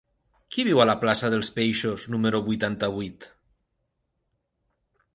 Qui viu a la plaça dels Peixos número vuitanta-vuit?